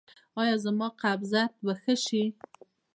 ایا زما قبضیت به ښه شي؟